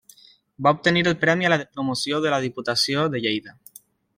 Va obtenir el Premi a la Promoció de la Diputació de Lleida.